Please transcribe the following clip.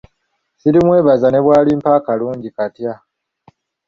Sirimwebaza ne bw’alimpa akalungi katya.